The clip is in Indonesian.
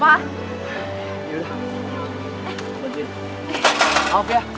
prensun maaf ya